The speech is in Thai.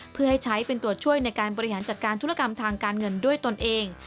เพื่อให้ใช้เป็นตัวช่วยในการบริหารจัดการธุรกรรมทางการเงินด้วยตนเอง